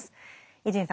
伊集院さん